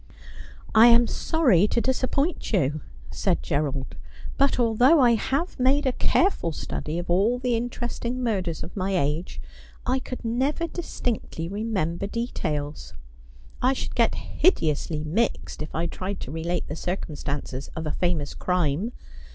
' I am sorry to disappoint you,' said Gerald ;' but although I have made a careful study of all the interesting murders of my age I could never distinctly remember details. I should get hideously mixed if I tried to relate the circumstances of a famous crime.